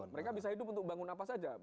mereka bisa hidup untuk bangun apa saja